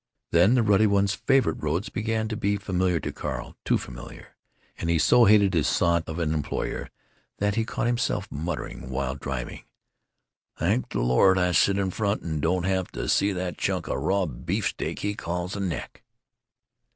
Then the Ruddy One's favorite roads began to be familiar to Carl, too familiar, and he so hated his sot of an employer that he caught himself muttering, while driving, "Thank the Lord I sit in front and don't have to see that chunk of raw beefsteak he calls a neck."